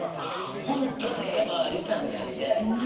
ホントに山あり谷ありで。